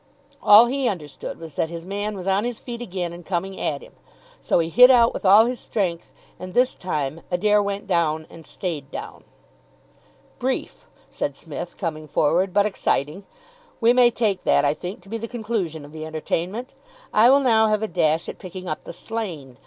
All he understood was that his man was on his feet again and coming at him, so he hit out with all his strength; and this time Adair went down and stayed down. "Brief," said Psmith, coming forward, "but exciting. We may take that, I think, to be the conclusion of the entertainment. I will now have a dash at picking up the slain.